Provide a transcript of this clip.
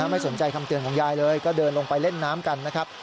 ไม่สนใจคำเตือนของยายเลยก็เดินลงไปเล่นน้ำกันนะครับ